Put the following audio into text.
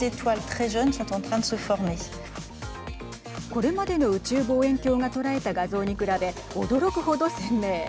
これまでの宇宙望遠鏡が捉えた画像に比べ驚く程、鮮明。